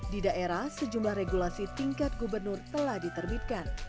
di daerah sejumlah regulasi tingkat gubernur telah diterbitkan